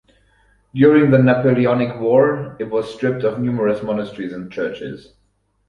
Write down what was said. During the Napoleonic Wars it was stripped of numerous monasteries and churches.